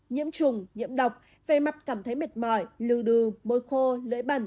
nhiễm trùng nhiễm độc về mặt cảm thấy mệt mỏi lưu đừ môi khô lễ bẩn